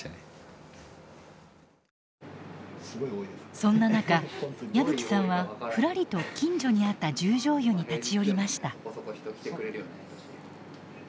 そんな中矢吹さんはふらりと近所にあった十條湯に立ち寄りました。